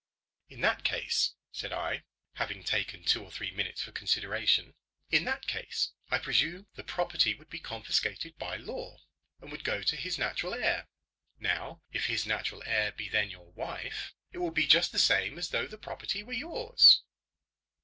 "In that case," said I, having taken two or three minutes for consideration, "in that case, I presume the property would be confiscated by law, and would go to his natural heir. Now if his natural heir be then your wife, it will be just the same as though the property were yours."